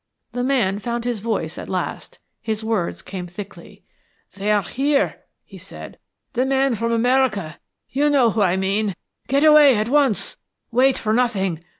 The man found his voice at last, his words came thickly. "They are here," he said. "The men from America. You know who I mean. Get away at once. Wait for nothing.